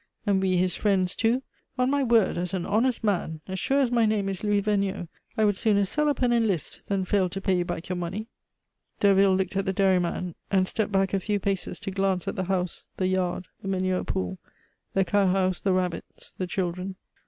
And we his friends, too! On my word as an honest man, as sure as my name is Louis Vergniaud, I would sooner sell up and enlist than fail to pay you back your money " Derville looked at the dairyman, and stepped back a few paces to glance at the house, the yard, the manure pool, the cowhouse, the rabbits, the children.